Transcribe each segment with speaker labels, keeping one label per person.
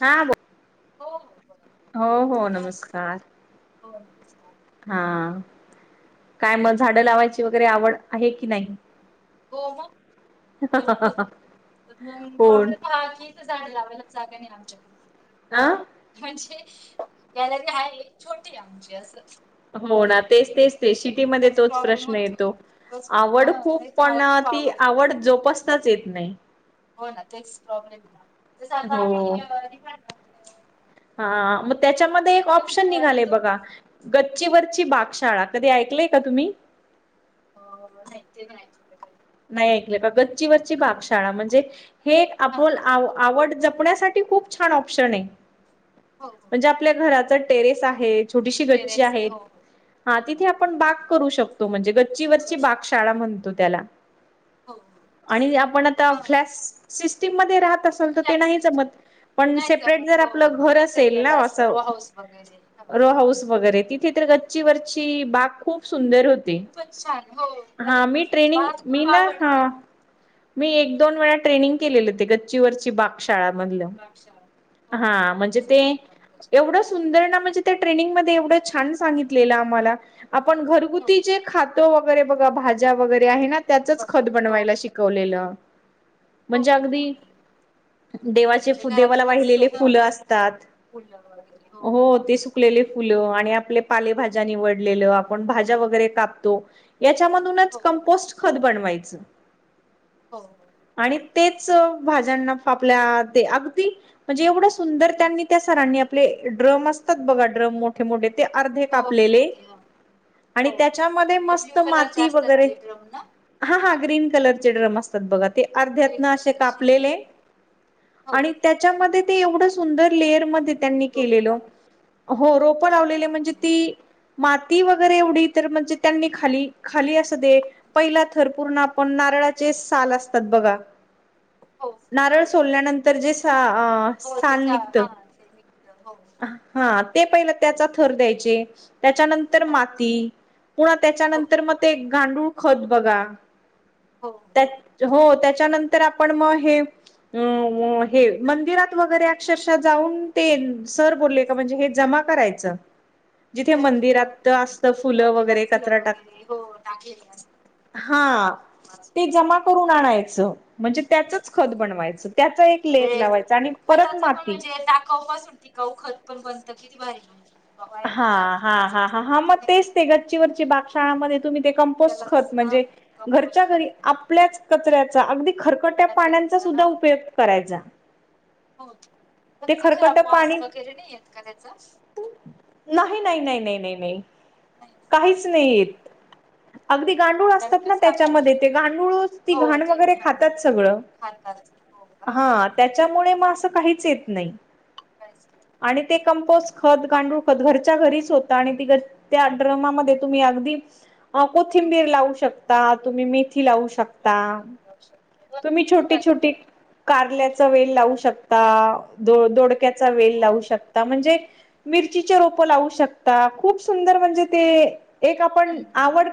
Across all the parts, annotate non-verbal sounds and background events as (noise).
Speaker 1: हां. बोल.
Speaker 2: हो. हो.
Speaker 1: हो. हो. नमस्कार.
Speaker 2: हो. नमस्कार.
Speaker 1: हां. काय मग झाडं लावायची वगैरे आवड आहे की नाही?
Speaker 2: हो मग? भरपूर. पण मग
Speaker 1: कोण
Speaker 2: प्रॉब्लेम काय आहे की - झाड लावायलाच जागा नाही आमच्याकड.
Speaker 1: आं?
Speaker 2: म्हणजे, गॅलरी आहे. छोटी ए आमची असं.
Speaker 1: हो ना. तेच तेच ते शिक- -टी मधे तोच प्रश्न येतो. आवड खूप, पण ती आवड जोपास - -ताच येत नाही.
Speaker 2: हो ना. तेच प्रॉब्लेम ए. तस आता आम्ही (unintelligible)
Speaker 1: हां. मग त्याच्यामध्ये एक ऑप्शन निघाले बघा. गच्चीवरची बागशाळा. कधी ऐकलय का तुम्ही?
Speaker 2: हो. नाही ते नाही ऐकलेलं कधी.
Speaker 1: नाही ऐकलंय का? गच्चीवरची बागशाळा म्हणजे- हे एक आप आवड जपण्यासाठी खूप छान ऑप्शन आहे.
Speaker 2: हो. हो.
Speaker 1: म्हणजे आपल्या घराचं टेरेस आहे. छोटीशी गच्ची आहे. हां. तिथे आप - आपण बाग करू शकतो म्हणजे, गच्चीवरची बागशाळा म्हणतो त्याला.
Speaker 2: हो. हो.
Speaker 1: आणि आपण आता फ्लॅट सिस्टीम मध्ये राहत असतो. तर ते नाही जमत. पण सेपरेट जर आपल घर असेल ना अस- रो हाऊस वगैरे. तिथे तर गच्चीवरची बाग खूप सुंदर होत-
Speaker 2: खूपच छान. हो. भारी ना. (unintelligible)
Speaker 1: मीना हं. मी एक दोन वेळा ट्रेनिंग केलेल ते गच्चीवरची बाग शाळामधलं.
Speaker 2: बागशाळा.
Speaker 1: हां. म्हणजे ते एवढं सुंदर ना? म्हणजे- त्या ट्रेनिंगमधे एवढं छान सांगितलेलं आम्हाला. आपण घरगुती जे खातो - वगैरे बघा. भाज्या वगैरे आहे ना? त्याचच खत बनवायला शिकवलेलं. म्हणजे अगदी देवाचे अस देवाला वाहिलेले - -ले फुल असतात. हो. ते सुकलेले - फुलं आणि आपले पालेभाज्या निवडलेलं, आपण भाज्या वगैरे कापतो- याच्यामधूनच कंपोस्ट खत बनवायचं.
Speaker 2: हो हो.
Speaker 1: आणि तेच भाज्यांना आपल्या ते अगदी म्हणजे एवढस सुंदर त्यांनी त्या सरांनी आपले ड्रम असतात बघा ड्रम मोठे, मोठे ते अर्धे कापलेले. आणि त्याच्यामध्ये मस्त माती वगैरे हा हा ग्रीन कलरचे ड्रम असत ते अर्ध्यात असे कापलेले आणि त्या त्याच्यामध्ये ते एवढं सुंदर लेअर मध्ये त्यांनी केलं हो रोप लावले म्हणजे ती माती वगैरे एवढी तर म्हणजे त्यांनी खाली, खाली असं दे पहिला थर पूर्ण आपण नारळाचे साल असतात बघा.
Speaker 2: हो.
Speaker 1: नारळ सोलल्यानंतर जे सा
Speaker 2: हो ते
Speaker 1: साल निघत
Speaker 2: हा ते मित्र हो हो.
Speaker 1: हा ते पहिले त्याचा थर द्यायचे. त्याच्यानंतर माती पुन्हा त्याच्यानंतर मग ते गांडूळ खत बघा. त्या हो त्याच्यानंतर आपण मग हे अ हे मंदिरात वगैरे अक्षरशः जाऊन ते सर बोलले का म्हणजे हे जमा करायच जिथे मंदिरात असत फुलं वगैरे कचरा टाक हा ते जमा करून आणायच. म्हणजे त्याचच खत बनवायचं त्याचा एक लेर लावायच आणि परत माती
Speaker 2: दाखऊ पासून ती काऊ खत पण बनतं किती भारी माहिती
Speaker 1: हा हा हा हा मग तेच ते गच्चीवरची बागशाळामध्ये तुम्ही ते कमपोस्ट खत म्हणजे घरच्या घरी आपल्याच कचऱ्याचा अगदी खरकट्या पाण्याचा सुद्धा उपयोग करायचा.
Speaker 2: होत मग
Speaker 1: ते
Speaker 2: त्याचा
Speaker 1: खरकट
Speaker 2: खराब वास
Speaker 1: पाणी
Speaker 2: वगैरे नाही येत का त्याच?
Speaker 1: नाही, नाही, नाही, नाही, नाही, नाही.
Speaker 2: नाही.
Speaker 1: काहीच नाहीे येत. अगदी गांडूळ असतात ना त्याच्यामध्ये ते गांडूळ ती घाण वगैरे खातात सगळ.
Speaker 2: खातात होका हा हा.
Speaker 1: त्यामुळे म काहीच येत नाही आणि ते कंपोस्ट खत, गांडूळ घरच्या घरीच होता आणि त त्या ड्रमामध्ये तुम्ही अगदी अ कोथिंबीर लावू शकता, तुम्ही मेथी लावू शकता तुम्ही छोटी, छोटी कारल्याचा वेल लावू शकता. दोडक्याचा वेल लावू शकता म्हणजे चे रोप लावू शकता खूप सुंदर म्हणजे ते एक आपण आवड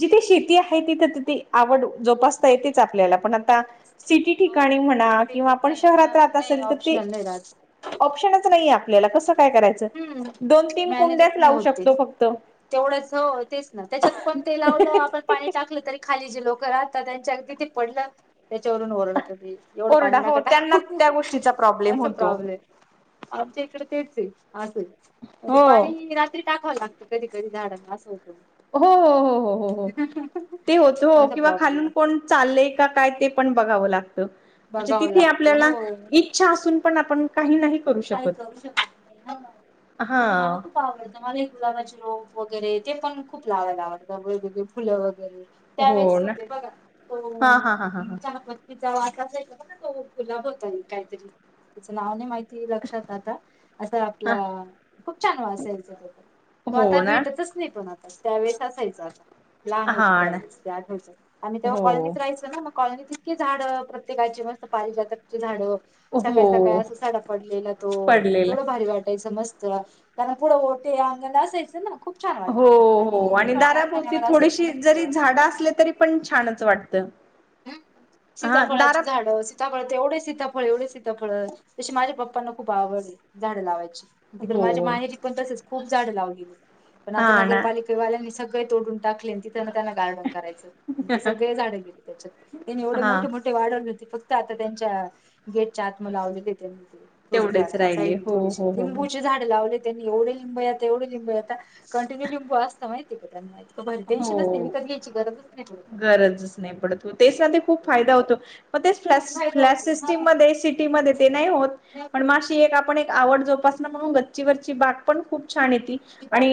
Speaker 1: जिथे शेती आहे तिथे, तिथे तर ते आवड जोपासता येतेच आपल्याला पण आता सिटी ठिकाणी म्हणा किंवा आपण शहरात राहत असेल तर ते
Speaker 2: च (inaudible)
Speaker 1: ऑप्शनच नाहीे आपल्याला कसं काय करायचं दोन, तीन कुंड्याच लावू शकतो फक्त.
Speaker 2: तेवढंच हो तेच ना त्याच्यात पण ते लावलं आपण पाणी टाकलं तरी खाली जी लोकर आहता त्यांच्या तिथे पडल त्याच्यावरून ओरडत ते एवढं पाणी
Speaker 1: कोरडा हो
Speaker 2: नका
Speaker 1: त्यांना
Speaker 2: टाकू
Speaker 1: त्या गोष्टीचा प्रॉब्लेम
Speaker 2: असा
Speaker 1: होतो
Speaker 2: प्रॉब्लेम. आमच्या इकडे तेच आहे असं आहे म्हणजे
Speaker 1: हो
Speaker 2: पाणी रात्री टाकावं लागत. कधी कधी झाडत अस हो
Speaker 1: हो हो हो हो, ते होत हो किंवा खालून कोण चालय काय ते पण बघाव लागत, म्हणजे तिथे आपल्याला, इ इच्छा असून पण आपण काही नाही करू
Speaker 2: काही
Speaker 1: शकत
Speaker 2: करू शकत नाही ह,
Speaker 1: हा
Speaker 2: नाही तर मला खूप आवडतं मला गुलाबाची रोप वगैरे ते पण खूप लावायला आवडत वेगवेगळी फुलं वगैरे
Speaker 1: हो
Speaker 2: त्यावेेळेस
Speaker 1: ना
Speaker 2: होते बघा,
Speaker 1: हा
Speaker 2: तोन
Speaker 1: हा हा हा
Speaker 2: आपण
Speaker 1: हा
Speaker 2: चहा पत तिचा वासाचा एक आब गा तो गुलाब होता एक काहीतरी, तिचं नाव नाही माहित. ती लक्षात आता, असा
Speaker 1: हा.
Speaker 2: आपला, खूप छान वास यायचा त्याचा. तो आता
Speaker 1: हो ना
Speaker 2: भेटतच नाही पण आता त्यावेेळेस असायच आता. लहान होतं
Speaker 1: हा ना
Speaker 2: त्यावेळेस ते आठवायच, आणि तेव्हा
Speaker 1: हो
Speaker 2: कॉलनीत राहायचं ना मग. कॉलनीत इतके झाड प्रत्येकाची मस्त पारी जातकची झाड, सकाळी सकाळी
Speaker 1: हो
Speaker 2: असं सडा पडलेला तो,
Speaker 1: पडलेला
Speaker 2: थोडं भारी वाटायच मस्त, त्याना पुढं ओटे अंगन असायचं न खूप
Speaker 1: हो हो आणि दाराभोवती थोडीशी जरी झाडं असले तरी पण छानच वाटत.
Speaker 2: आ, सीताफळाची झाडं सी सीताफळ तेवढे सीताफळ एवढे सीताफळ तशी माझ्या पप्पांना खूप आवडली झाडें लावायची. तिकडे
Speaker 1: हो
Speaker 2: माझ्या माहिरी पण तसच खूप झाड लावलेली, पण
Speaker 1: हा
Speaker 2: आता
Speaker 1: ना.
Speaker 2: नगरपालिका वाल्यांनी सगळे तोडून टाकले तिथ न त्यांना गार्डन करायचं, ते सगळे झाडे गेले. त्याच्यात, हिने एवढे
Speaker 1: हा
Speaker 2: मोठे मो ते वाढवले होती फक्त आता त्यांच्या, गेटच्या आत म लावले की येत्यात तिथे.
Speaker 1: तेवढेच
Speaker 2: थोडेफारा अस हाय
Speaker 1: राहिले
Speaker 2: ती
Speaker 1: हो
Speaker 2: थोडीशी
Speaker 1: हो हो हो.
Speaker 2: लिंबूचे झाड लावले त्यांनी एवढे लिंब येता एवढे लिंब येता, कंटिन्यू लिंबू असता माहिती का त्यांना बर टेन्शनच नाही मी
Speaker 1: हो
Speaker 2: कधी यायची गरजच नाही तुला?
Speaker 1: गरजच नाही पडत त तेच ना खूप फायदा होतो, म ते फल्य- फ्लॅश सिस्टीमध्ये सिटीमध्ये ते नाही होत. पण माशी एक आपण एक आवड जोपासन म्हणून गच्चीवरची बाग पण खूप छान येती आणि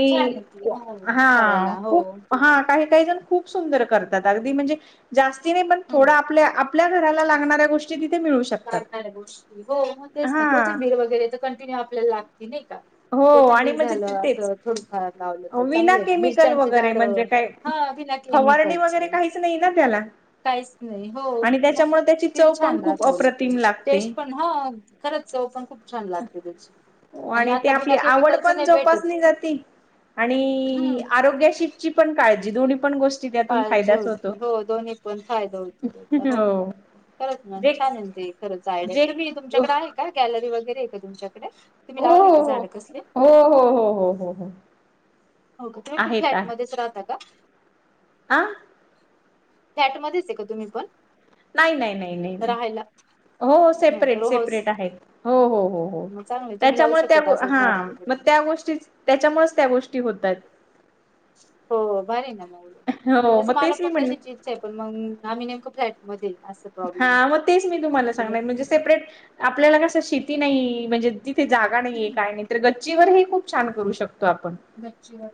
Speaker 1: हा खूप हा काही काही जण खूप सुंदर करतात अगदी म्हणजे, जास्ती नाही पण थोड आपल्या आपल्या घराला लागणाऱ्या गोष
Speaker 2: लागणाऱ्या गोष्टी हो म तेच ना
Speaker 1: हा
Speaker 2: कोथंबीर वगैरे तर कंटिन्यू आपल्याला लागते नाही का?
Speaker 1: हो आणि
Speaker 2: कोथंबीर
Speaker 1: म्हणजे
Speaker 2: झालं
Speaker 1: ते तेच
Speaker 2: असं थोडफार लावलं तर
Speaker 1: विना
Speaker 2: चांगलेत
Speaker 1: केमिकल
Speaker 2: मिरच्याची
Speaker 1: वगैरे
Speaker 2: झाड.
Speaker 1: म्हणजे काय
Speaker 2: हा बिना
Speaker 1: फवारणी वगैरे
Speaker 2: केमिकलचे.
Speaker 1: काहीच नाही ना त्याला
Speaker 2: काहीच नाही हो
Speaker 1: आणि
Speaker 2: न,
Speaker 1: त्याच्यामुळे त्याची
Speaker 2: किती
Speaker 1: चव
Speaker 2: छान
Speaker 1: पण खूप
Speaker 2: राहत उलट.
Speaker 1: अप्रतिम लागते
Speaker 2: टेस्ट पण ह खरच चव पण खूप छान लागते त्याची.
Speaker 1: आणि ते आपली आवड पण जोपाली जाती, आणि आरोग्याशी ची पण काळजी दोनही पण गोष
Speaker 2: काळजी होती हो दोन्ही पण फायदा होतो त्याचा हो, खरच ना
Speaker 1: जे
Speaker 2: छानन ते. खरच आहे रे
Speaker 1: जे
Speaker 2: तुम्ही
Speaker 1: हो
Speaker 2: तुमच्याकड आहे का गॅलरी वगैरे आहे का तुमच्याकडे, तुम्ही लावले का
Speaker 1: हो
Speaker 2: झाडं कसले?
Speaker 1: हो हो हो हो हो.
Speaker 2: हो का ते कुठे आहेत मधेच राहता का?
Speaker 1: आ.
Speaker 2: फ्लॅटमध्येच आहे का तुम्ही पण?
Speaker 1: नाही नाही नाही नाही, हो सेपरेट सेपरेट आहे, हो हो हो. त्याच्यामुळ त्या हा म त्या गोष्टी त्याच्यामुळच त्या गोष्टी होतात.
Speaker 2: हो भारी आहे ना म उलट,
Speaker 1: हो
Speaker 2: तसं
Speaker 1: मग
Speaker 2: मला
Speaker 1: तेच मी
Speaker 2: पण
Speaker 1: म्हणले
Speaker 2: कशाची ते पण मंग आम्ही नेमकं फ्लॅटमध्ये ये असं
Speaker 1: हा म तेच मी तुम्हाला सांगणार म्हणजे सेपरेट आपल्याला कसं शेती नाई म्हणजे तिथे जागा नाहीये काय नाय तर गच्चीवर हे खूप छान करू शकतो आपण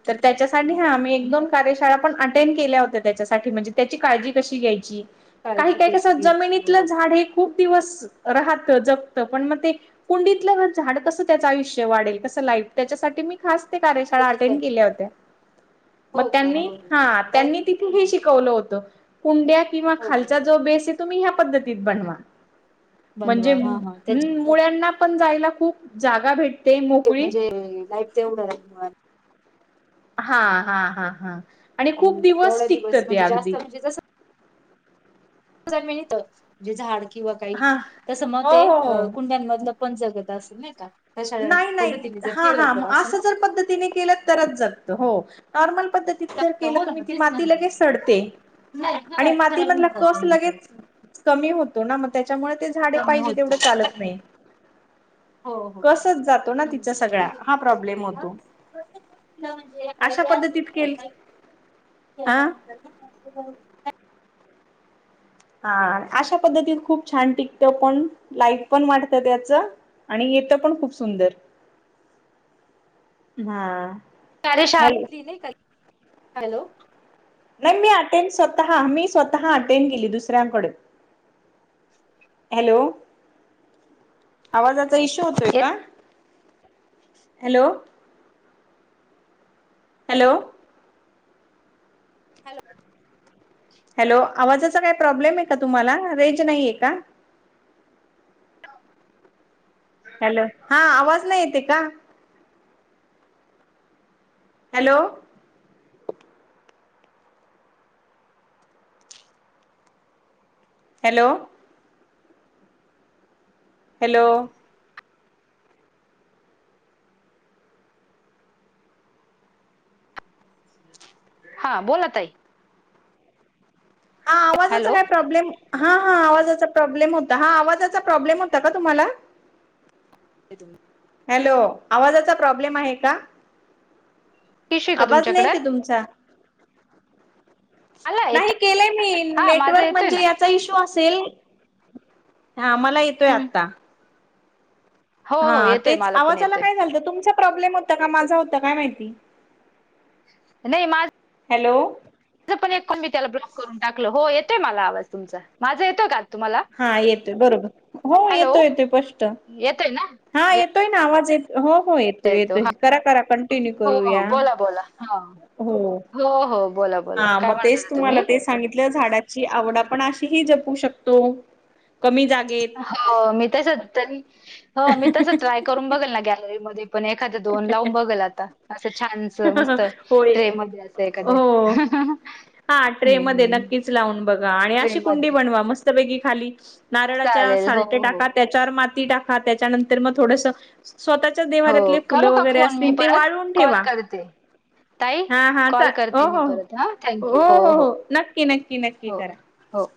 Speaker 1: तर त्याच्यासाठी हा मी एक दोन कार्यशाळा पण अटेंड केल्या होत् त त्याच्यासाठी म्हणजे त्याची काळजी कशी घ्यायची.
Speaker 2: काळजी घ्ये
Speaker 1: च जमिनीतलं झाड हे खूप दिवस राहत जगत पण म ते कुंडीतलं झाड कसं त्याचं आयुष्य वाढेल कसं लाईफ त्याच्यासाठी मी खास ते कार्यशाळा अटेंड केल्या होत्या. म त्यांनी हा त्यांनी तिथे हे शिकवलं होत. कुंड्या किंवा खालचा जो बेस ये तुम्ही ह्या पद्धतीत बनवा. म्हणजे म हूं मुळ्यांना पण जायला खूप जागा भेट
Speaker 2: ते म्हणजे लाईफ तेवढं राहिल मूळ्यां
Speaker 1: हा हा हा हा आणि खूप दिवस टिकत ते अगदी-
Speaker 2: जमिनित म्हणजे झाड किंवा काही
Speaker 1: हा
Speaker 2: तसं म
Speaker 1: हो
Speaker 2: ते
Speaker 1: हो
Speaker 2: अ
Speaker 1: हो
Speaker 2: कुंड्यांमधलं पण जगत असल नाय का
Speaker 1: नाही नाही हा हा असं जर पद्धतीने केलं तरच जगत हो नॉर्मल पद्धत तीत जर केलं तुम्ही की ती माती लगेच सडते. आणि मातीमधला कस लगेच कमी होतो ना म त्याच्यामुळे ते झाडे पाहिजे तेवढं चालत नाही.
Speaker 2: हो हो हो हो
Speaker 1: कसच
Speaker 2: हो
Speaker 1: जातो ना तिचा
Speaker 2: हम्म
Speaker 1: सगळा
Speaker 2: अरे
Speaker 1: हा
Speaker 2: बाप
Speaker 1: प्रॉब्लेम
Speaker 2: हा
Speaker 1: होतो
Speaker 2: म ते प्रत्येक गोष्टी ला म्हणजे
Speaker 1: अशा
Speaker 2: आयडिया
Speaker 1: पद्धतीत
Speaker 2: असते नय का
Speaker 1: केल
Speaker 2: काही
Speaker 1: हा
Speaker 2: केल्यानंतर हं (unintelligible)
Speaker 1: हा अशा पद्धतीत खूप छान टिकत पण लाईफ पण वाढत त्याच आणि येतं पण खूप सुंदर
Speaker 2: (inaudible)
Speaker 1: हा
Speaker 2: कार्यशाळा
Speaker 1: हॅलो
Speaker 2: लिहलंय का (inaudible) हॅलो
Speaker 1: नाही मी अटेंड स्वतः मी स्वतः अटेंड केली दुसऱ्यांकडे हॅलो आवाजाचा इशू होतोय का हॅलो हॅलो
Speaker 2: हॅलो
Speaker 1: हॅलो आवाजाचा काय प्रॉब्लेम ये का तुम्हाला रेंज नाये का? हॅलो हा आवाज नाय येत ये का? हॅलो हॅलो हॅलो
Speaker 2: हा बोला ताई
Speaker 1: हा आवाजाचा काय प्रॉब्लेम हा हा आवाजाचा प्रॉब्लेम होता हा आवाजाचा प्रॉब्लेम होता का तुम्हाला
Speaker 2: (unintelligible)
Speaker 1: हॅलो आवाजाचा प्रॉब्लेम आहे का?
Speaker 2: टिशू आहे का
Speaker 1: आवाज नय
Speaker 2: तुमच्याकडे
Speaker 1: येत ये तुमचा
Speaker 2: मला
Speaker 1: नाही
Speaker 2: येतो
Speaker 1: केलंय मी
Speaker 2: हा माझा
Speaker 1: नेटवर्क
Speaker 2: येतोय
Speaker 1: म्हणजे
Speaker 2: ना
Speaker 1: या चा इशू असेल हा मला येतोय
Speaker 2: हम्म.
Speaker 1: आत्ता.
Speaker 2: हो हो
Speaker 1: हा
Speaker 2: येतोय
Speaker 1: तेच
Speaker 2: मला पण
Speaker 1: आवाजाला
Speaker 2: येतोय
Speaker 1: काय झालतं तुमचा प्रॉब्लेम होता का माझा होतां काय माहिती.
Speaker 2: नाही माझ
Speaker 1: हॅलो
Speaker 2: पण एक क मी त्याला ब्लॉक करून टाकलं हो येतोय मला आवाज तुमचा माझा येतोय का. तुम्हाला
Speaker 1: हा येतोय बरोबर हो येतो येतोय स्शपट.
Speaker 2: येतय ना.
Speaker 1: हा येतोय ना आवाज येत हो-हो ये
Speaker 2: येतो येतो
Speaker 1: येतोय
Speaker 2: हा
Speaker 1: करा-करा कंटिन्यू
Speaker 2: हो
Speaker 1: करू
Speaker 2: हो
Speaker 1: या.
Speaker 2: बोला बोला हा
Speaker 1: हो
Speaker 2: हो बोला बोला
Speaker 1: आ
Speaker 2: काय
Speaker 1: मग
Speaker 2: म्हणत
Speaker 1: तेच
Speaker 2: होता
Speaker 1: तुम्हाला
Speaker 2: तुम्ही
Speaker 1: तेच सांगितलं झाडाची आवड आपण अशी ह जपू शकतो कमी जागे
Speaker 2: हो मी तस त हो मी तस ट्राय करून बघेल ना गॅलरीमध्ये. पण एखाद्या दोन लावून बघल आता असं छानच मस्त
Speaker 1: होय
Speaker 2: ट्रे मध्ये एकद
Speaker 1: हो
Speaker 2: (unintelligible)
Speaker 1: हा ट्रे मध्ये नक्कीच लावून बघा आणि
Speaker 2: ट्रे
Speaker 1: अशी कुंडी
Speaker 2: मध्ये
Speaker 1: बनवा मस्त बैकी खाली नारळाच्या
Speaker 2: चालेल. हो,
Speaker 1: सालटे
Speaker 2: हो.
Speaker 1: टाका त्याच्या चार माती टाका त्याच्यानंतर मग थोडस स्वतःच्या
Speaker 2: हो.
Speaker 1: देवारातले फुलं
Speaker 2: करू का
Speaker 1: वगैरे
Speaker 2: फोन मी
Speaker 1: असतील ते
Speaker 2: परत?
Speaker 1: वाळवून
Speaker 2: कॉल
Speaker 1: ठेवा.
Speaker 2: करते. ताई,
Speaker 1: हा हा
Speaker 2: कॉल
Speaker 1: हो
Speaker 2: करते मी
Speaker 1: हो
Speaker 2: परत हां. Thank you.
Speaker 1: हो हो हो नक्की नक्की नक्की
Speaker 2: हो.
Speaker 1: करा.
Speaker 2: हो.